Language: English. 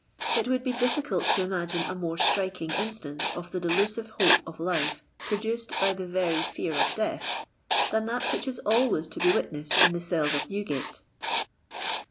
It would be difficult to imagine a more striking instance of the delusive hope of life produced by the very fear of death, than that which is always to be witnessed in the cells of Newgate."